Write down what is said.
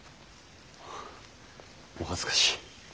お恥ずかしい。